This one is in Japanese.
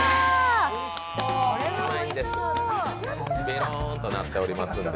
ベローンとなっておりますんで。